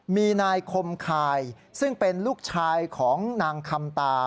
มีนายคมคายซึ่งเป็นลูกชายของนางคำตา